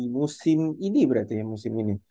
musim ini berarti ya musim ini